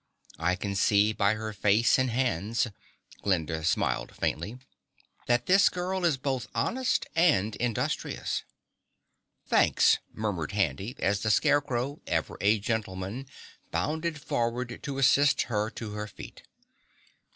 "I can see by her face and hands " Glinda smiled faintly "that this girl is both honest and industrious." "Thanks!" murmured Handy, as the Scarecrow, ever a gentleman, bounded forward to assist her to her feet.